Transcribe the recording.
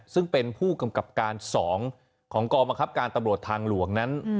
ซึ่งเป็นผู้กำกับการ๒ของกองบังคับการตำรวจทางหลวงนั้น